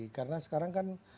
karena sekarang kan paspor